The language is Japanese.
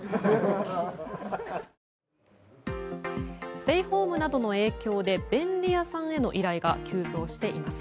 ステイホームなどの影響で便利屋さんへの依頼が急増しています。